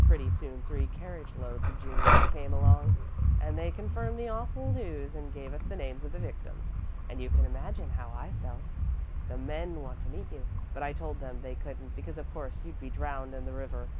Pretty soon three carriage loads of juniors came along and they confirmed the awful news and gave us the names of the victims, and you can imagine how I felt. The men want to meet you, but I told them they couldn't because of course you'd be drowned in the river."